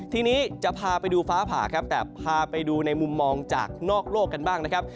ทีนี้จะพาไปดูฟ้าผ่าครับแต่พาไปดูในมุมมองจากนอกโลกกันบ้างนะครับ